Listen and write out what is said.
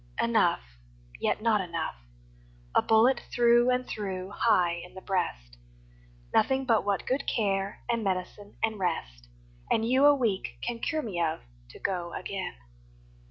"Enough," Yet not enough. A bullet through and through, High in the breast. Nothing but what good care And medicine and rest, and you a week, Can cure me of to go again."